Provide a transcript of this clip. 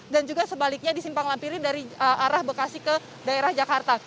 dan juga sebaliknya di simpang lampiri dari arah bekasi ke daerah jakarta